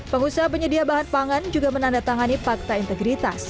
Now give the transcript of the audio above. pengusaha penyedia bahan pangan juga menandatangani fakta integritas